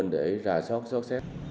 để ra sót xét